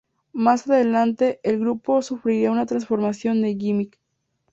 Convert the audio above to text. Más adelante, el grupo sufriría una transformación de gimmick.